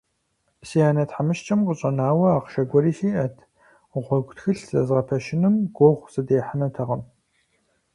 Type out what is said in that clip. Си анэ тхьэмыщкӀэм къыщӀэнауэ ахъшэ гуэри сиӀэт – гъуэгу тхылъ зэзгъэпэщыным гугъу сыдехьынутэкъым…